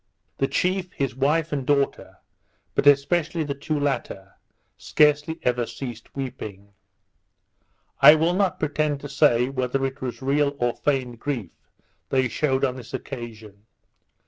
The chief, his wife and daughter, but especially the two latter, scarcely ever ceased weeping. I will not pretend to say whether it was real or feigned grief they shewed on this occasion.